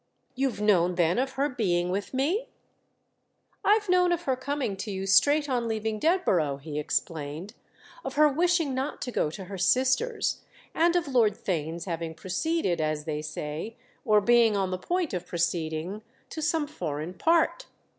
"You've known then of her being with me?" "I've known of her coming to you straight on leaving Dedborough," he explained; "of her wishing not to go to her sister's, and of Lord Theign's having proceeded, as they say, or being on the point of proceeding, to some foreign part."